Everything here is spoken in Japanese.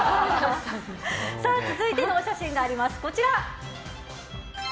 続いてのお写真があります。